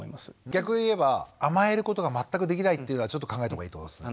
逆を言えば甘えることが全くできないっていうのは考えたほうがいいってことですね？